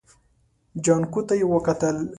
جانکو ته يې وکتل.